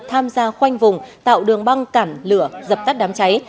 tham gia khoanh vùng tạo đường băng cản lửa dập tắt đám cháy